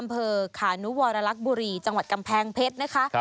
อำเภอขานุวรรลักษบุรีจังหวัดกำแพงเพชรนะคะ